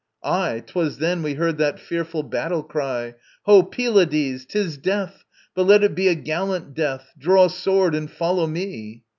Aye, 'Twas then we heard that fearful battle cry: "Ho, Pylades, 'tis death! But let it be A gallant death! Draw sword and follow me."